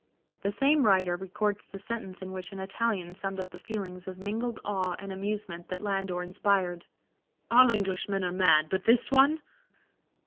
(The same writer records the sentence in which an Italian summed up the feelings of mingled awe and amusement that Landor in spired — "All Englishmen are mad, but this one